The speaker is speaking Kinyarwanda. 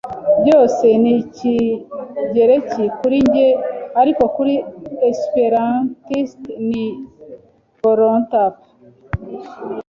Byose ni Ikigereki kuri njye, ariko kuri Esperantiste ni Volapük.